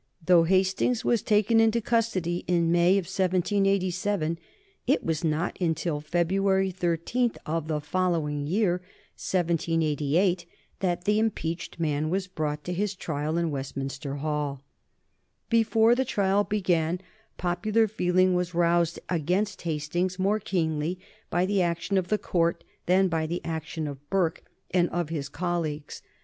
Though Hastings was taken into custody in the May of 1787, It was not until February 13 of the following year, 1788, that the impeached man was brought to his trial in Westminster Hall. Before the trial began, popular feeling was roused against Hastings more keenly by the action of the Court than by the action of Burke and of his colleagues.